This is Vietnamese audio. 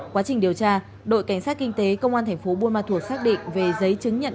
quá trình điều tra đội cảnh sát kinh tế công an tp bung ma thuật xác định về giấy chứng nhận